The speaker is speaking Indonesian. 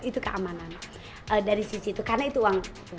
itu keamanan dari sisi itu karena itu uang